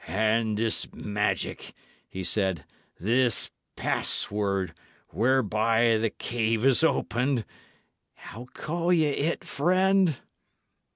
"And this magic," he said "this password, whereby the cave is opened how call ye it, friend?"